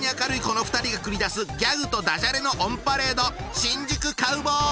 この２人が繰り出すギャグとダジャレのオンパレード！